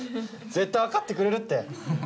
絶対分かってくれるって！